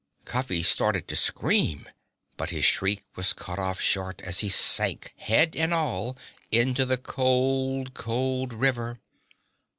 Cuffy started to scream. But his shriek was cut off short as he sank, head and all, into the cold, cold river.